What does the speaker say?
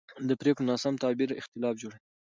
د پرېکړو ناسم تعبیر اختلاف جوړوي